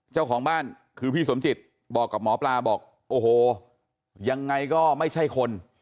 เจ้าของบ้านคือพี่สมจิตบอกกับหมอปลาบอกโอ้โหยังไงก็ไม่ใช่คน